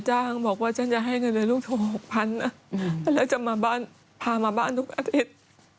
จ้างบอกว่าฉันจะให้เงินเลยลูกโทร๖๐๐๐นะแล้วจะมาบ้านพามาบ้านทุกอาทิตย์